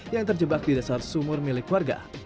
yang terjebak di dasar sumur milik warga